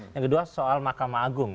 yang kedua soal mahkamah agung